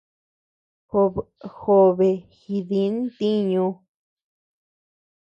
Job jobe jidi ntiñu.